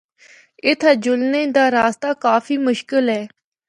اِتھا جلنا دا رستہ کافی مشکل اے۔